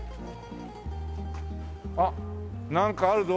あっなんかあるぞ。